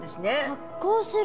発光する。